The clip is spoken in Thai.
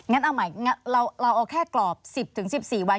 เอาใหม่เราเอาแค่กรอบ๑๐๑๔วัน